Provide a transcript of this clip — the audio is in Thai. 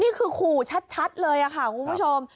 นี่คือขู่ชัดเลยค่ะคุณผู้ชม